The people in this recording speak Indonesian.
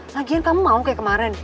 sajian kamu mau kayak kemarin